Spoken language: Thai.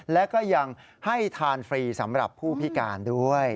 และก็ยังให้ทานฟรีสำหรับผู้พิการด้วย